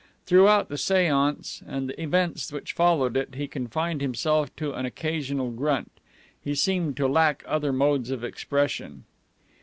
Throughout the seance and the events which followed it he confined himself to an occasional grunt. He seemed to lack other modes of expression.